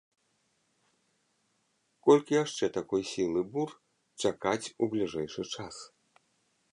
Колькі яшчэ такой сілы бур чакаць у бліжэйшы час?